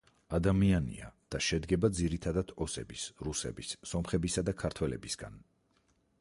ადამიანია და შედგება ძირითადად ოსების, რუსების, სომხებისა და ქართველებისგან.